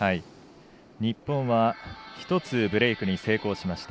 日本は、１つブレークに成功しました。